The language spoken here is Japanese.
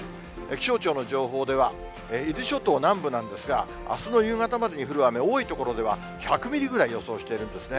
気象庁の情報では、伊豆諸島南部なんですが、あすの夕方までに降る雨、多い所では、１００ミリぐらい予想しているんですね。